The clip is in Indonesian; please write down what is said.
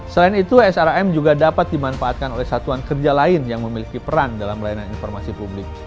selain itu sam juga dapat dimanfaatkan oleh satuan kerja lain yang memiliki peran dalam pelayanan informasi publik